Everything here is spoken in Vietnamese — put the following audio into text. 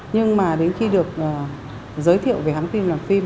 nhưng mà đến khi được giới thiệu về hám phim làm phim